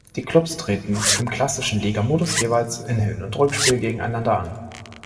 Die Klubs treten im klassischen Ligamodus jeweils in Hin- und Rückspiel gegeneinander an.